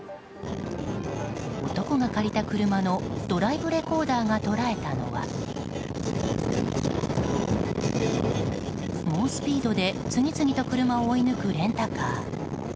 男が借りた車のドライブレコーダーが捉えたのは猛スピードで次々と車を追い抜くレンタカー。